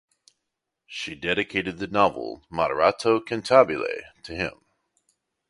She dedicated the novel "Moderato cantabile" to him.